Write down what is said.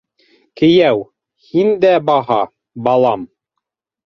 — Кейәү, һин дә баһа, балам!